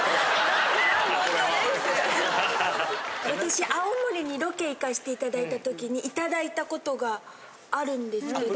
私青森にロケ行かしていただいたときにいただいたことがあるんですけど。